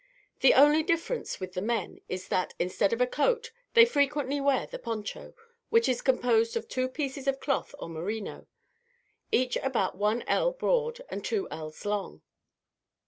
The only difference with the men is that, instead of a coat, they frequently wear the Poncho, which is composed of two pieces of cloth or merino, each about one ell broad and two ells long.